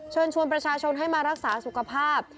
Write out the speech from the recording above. เชิญชวนประชาชนให้มารักษาสุขภาพ